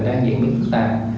đang diễn biến phức tạp